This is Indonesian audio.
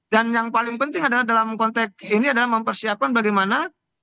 dan yang paling penting adalah dalam konteks ini adalah mempersiapkan bagaimana